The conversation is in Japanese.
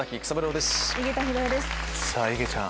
いげちゃん